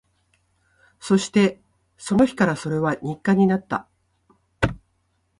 そして、その日からそれは日課になった